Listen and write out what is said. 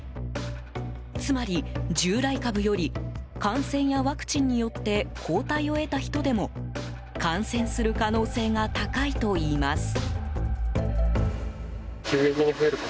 つまり、従来株より感染やワクチンによって抗体を得た人でも感染する可能性が高いといいます。